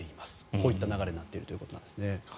こういった流れになっているということなんですね。